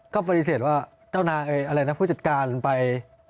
ก็ปฏิเสธว่าเจ้านายอะไรนะผู้จัดการไป